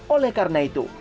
oleh karena itu